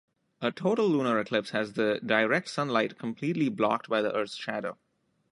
A total lunar eclipse has the direct sunlight completely blocked by the earth's shadow.